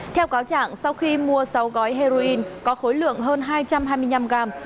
theo cáo trạng sau khi mua sáu gói heroin có khối lượng hơn hai trăm hai mươi năm gram